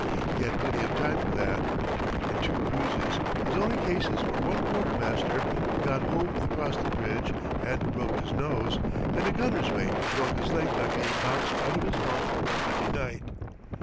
He had plenty of time for that. In two cruises his only cases were one quartermaster, who got hove across the bridge and broke his nose, and a gunner's mate who broke his leg by being bounced out of his bunk one windy night.